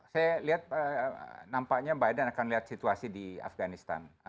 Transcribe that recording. saya lihat nampaknya biden akan lihat situasi di afganistan